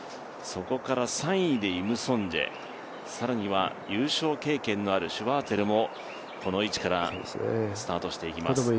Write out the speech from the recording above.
そこから３位でイム・ソンジェ更には優勝経験のあるシュワーツェルもこの位置からスタートしていきます。